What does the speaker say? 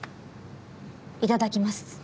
いただきます。